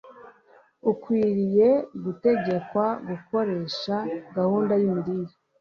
ukwiriye gutegekwa gukoresha gahunda y’imirire